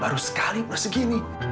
baru sekali sudah segini